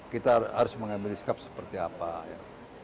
kita harus mengambil sikap seperti apa ya